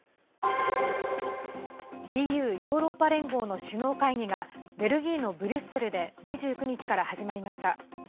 ＥＵ＝ヨーロッパ連合の首脳会議がベルギーのブリュッセルで２９日から始まりました。